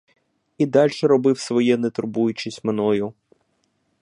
І дальше робив своє, не турбуючись мною.